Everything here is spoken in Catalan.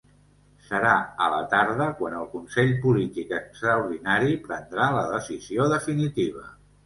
Serà a la tarda quan el consell polític extraordinari prendrà la decisió definitiva.